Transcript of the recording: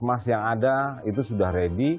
emas yang ada itu sudah ready